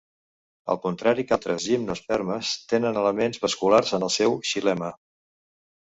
Al contrari que altres gimnospermes tenen elements vasculars en el seu xilema.